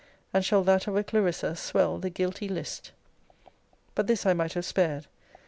And shall that of a Clarissa swell the guilty list? But this I might have spared.